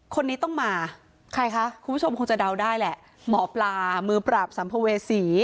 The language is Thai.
คนนี้ต้องมาใครคะคุณผู้ชมคงจะเดาได้แหละหมอปลามือปราบสัมภเวษี